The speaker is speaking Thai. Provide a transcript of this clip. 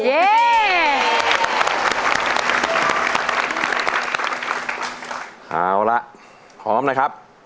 เอาละพร้อมนะครับ